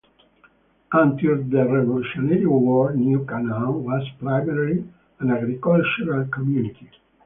Until the Revolutionary War, New Canaan was primarily an agricultural community.